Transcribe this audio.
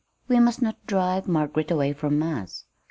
We must not drive Margaret away from us.